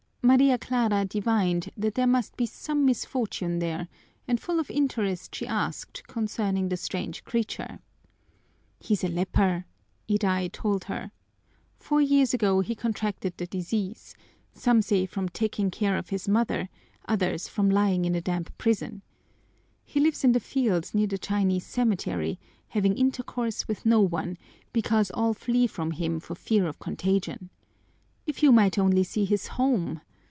Maria Clara divined that there must be some misfortune there, and full of interest she asked concerning the strange creature. "He's a leper," Iday told her. "Four years ago he contracted the disease, some say from taking care of his mother, others from lying in a damp prison. He lives in the fields near the Chinese cemetery, having intercourse with no one, because all flee from him for fear of contagion. If you might only see his home!